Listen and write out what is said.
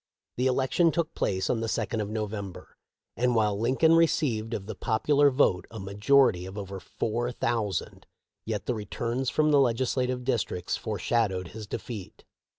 The election took place on the second of November, and while Lincoln received of the popular vote a majority of over four thou sand, yet the returns from the legislative districts foreshadowed his defeat.